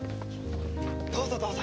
どうぞどうぞ。